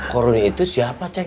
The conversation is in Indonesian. korun itu siapa ceng